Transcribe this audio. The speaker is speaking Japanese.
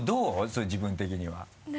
それ自分的には？